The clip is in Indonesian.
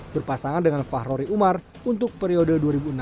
berpasangan dengan fahrori umar untuk periode dua ribu enam belas dua ribu dua